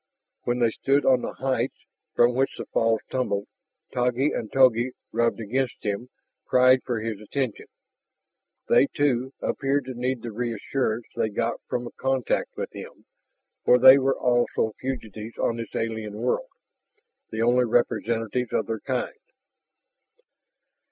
When they stood on the heights from which the falls tumbled, Taggi and Togi rubbed against him, cried for his attention. They, too, appeared to need the reassurance they got from contact with him, for they were also fugitives on this alien world, the only representatives of their kind.